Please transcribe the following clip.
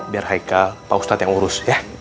biar haikal pak ustadz yang ngurus ya